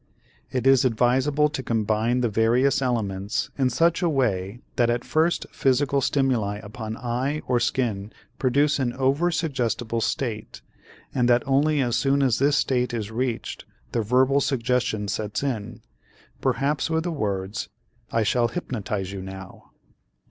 It is advisable to combine the various elements in such a way that at first physical stimuli upon eye or skin produce an over suggestible state and that only as soon as this state is reached the verbal suggestion sets in, perhaps with the words, "I shall hypnotize you now."